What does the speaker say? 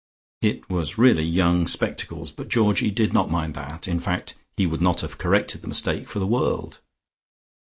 It was really young spectacles, but Georgie did not mind that. In fact, he would not have corrected the mistake for the world.